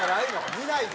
見ないで。